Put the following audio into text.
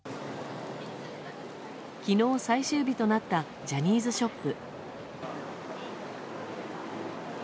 昨日、最終日となったジャニーズショップ。